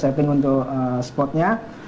setting untuk spotnya